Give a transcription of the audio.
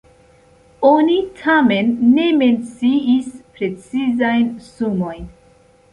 Oni tamen ne menciis precizajn sumojn.